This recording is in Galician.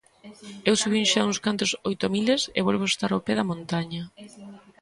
"Eu subín xa uns cantos oito miles e volvo estar ao pé da montaña".